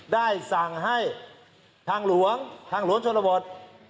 ได้สั่งให้ทางหลวงทางหลวงชนบท